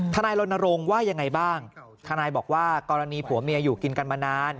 นายรณรงค์ว่ายังไงบ้างทนายบอกว่ากรณีผัวเมียอยู่กินกันมานาน